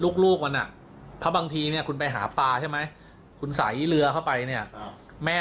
ลูกลูกมันอ่ะกับบางทีเนี่ยคุณแผ่่งปราใช่ไหมคุณใสเหลือเข้าไปเนี่ยแม่